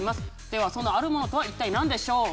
ではそのあるものとは一体なんでしょう？